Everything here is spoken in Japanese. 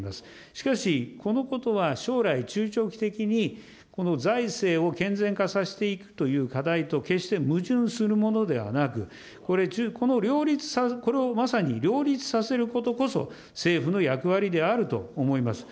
しかし、このことは将来、中長期的にこの財政を健全化させていくという課題と決して矛盾するものではなく、これをまさに両立させることこそ、政府の役割であると思います。